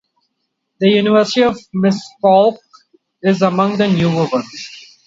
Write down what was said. The University of Miskolc is among the newer ones.